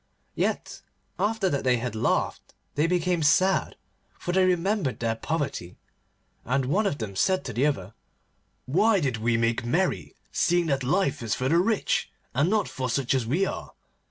Yet, after that they had laughed they became sad, for they remembered their poverty, and one of them said to the other, 'Why did we make merry, seeing that life is for the rich, and not for such as we are?